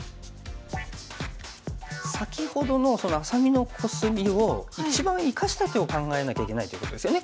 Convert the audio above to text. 先ほどのその愛咲美のコスミを一番生かした手を考えなきゃいけないってことですよね